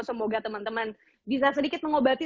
semoga teman teman bisa sedikit mengobati